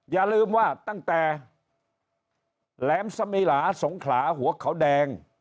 อย่าลืมว่าตั้งแต่แหลมสมิลาสงขลาหัวเขาแดง